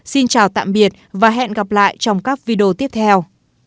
xin chào tạm biệt và hẹn gặp lại trong các video tiếp theo